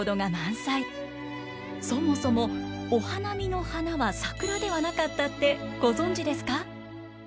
そもそもお花見の花は桜ではなかったってご存じですか？